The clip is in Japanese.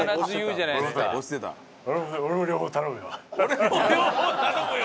「俺も両方頼むよ」